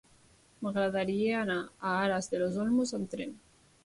M'agradaria anar a Aras de los Olmos amb tren.